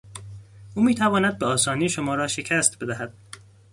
او میتواند به آسانی شما را شکست بدهد.